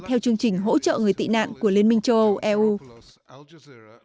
theo chương trình hỗ trợ người tị nạn của liên minh châu âu eu